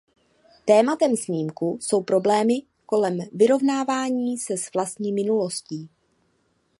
Tématem snímku jsou problémy kolem vyrovnávání se s vlastní minulostí.